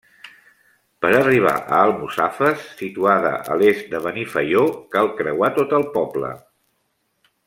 Per arribar a Almussafes, situada a l'est de Benifaió, cal creuar tot el poble.